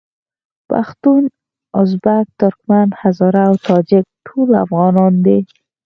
پښتون، ازبک، ترکمن، هزاره او تاجک ټول افغانان دي.